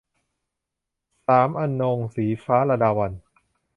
สามอนงค์ - ศรีฟ้า ลดาวัลย์